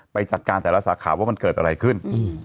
ไปจัดการแต่ละสาขาว่ามันเกิดอะไรขึ้น